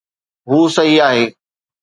هو صحيح آهي